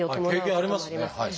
経験ありますねそれは。